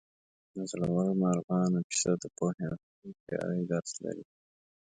د زړورو مارغانو کیسه د پوهې او هوښیارۍ درس لري.